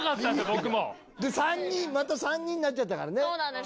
僕もでまた３人になっちゃったからねそうなんです